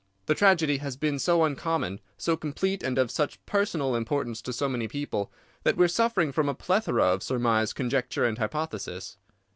The tragedy has been so uncommon, so complete and of such personal importance to so many people, that we are suffering from a plethora of surmise, conjecture, and hypothesis.